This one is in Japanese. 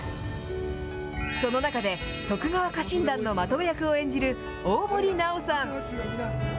その中で徳川家臣団のまとめ役を演じる、大森南朋さん。